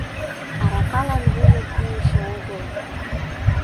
Аракалан вуйым пуышо огыл.